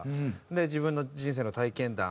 で自分の人生の体験談。